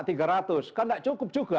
kan nggak cukup juga